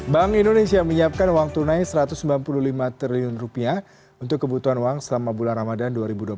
bank indonesia menyiapkan uang tunai rp satu ratus sembilan puluh lima triliun untuk kebutuhan uang selama bulan ramadan dua ribu dua puluh satu